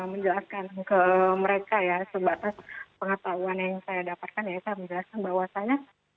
menjelaskan ke mereka ya sebatas pengetahuan yang saya dapatkan ya saya menjelaskan bahwasannya